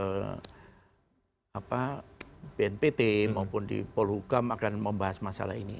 bahwa bnpt maupun di polhukam akan membahas masalah ini